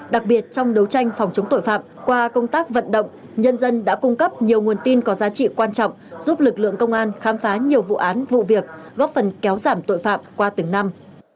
đặc biệt trong đấu tranh phòng chống tội phạm qua công tác vận động nhân dân đã cung cấp nhiều nguồn tin có giá trị quan trọng giúp lực lượng công an khám phá nhiều vụ án vụ việc góp phần kéo giảm tội phạm qua từng năm